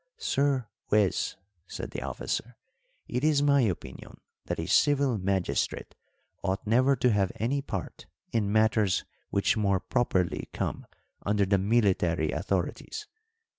"Sir Juez," said the officer, "it is my opinion that a civil magistrate ought never to have any part in matters which more properly come under the military authorities.